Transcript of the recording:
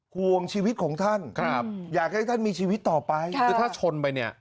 ห่วงชีวิตของท่านครับอยากให้ท่านมีชีวิตต่อไปคือถ้าชนไปเนี่ย